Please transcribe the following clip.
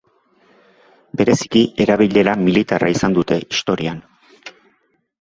Bereziki erabilera militarra izan dute historian.